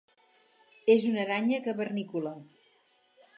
És una aranya cavernícola.